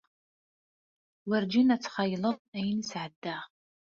Werǧin ad d-txayleḍ ayen i sɛeddaɣ.